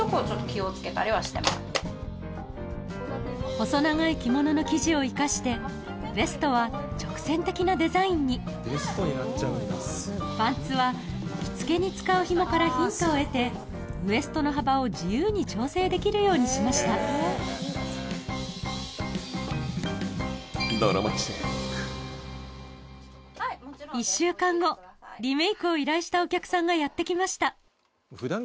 細長い着物の生地を生かしてベストは直線的なデザインにパンツは着付けに使うひもからヒントを得てウエストの幅を自由に調整できるようにしました１週間後がやって来ました